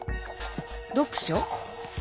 読書？